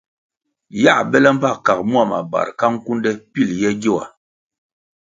Yā bele mbpa kag mua mabar ka nkunde pil ye gyoa.